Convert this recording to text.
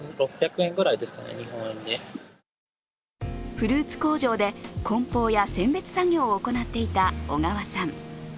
フルーツ工場でこん包や選別作業を行っていた小川さん。